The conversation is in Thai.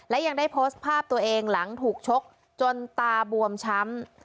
และยังได้โพสต์ภาพตัวเองหลังถูกชกจนตาบวมช้ำ